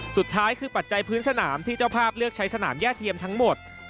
สุดท้ายคือปัจจัยพื้นสนามที่เจ้าภาพเลือกใช้สนามย่าเทียมทั้งหมด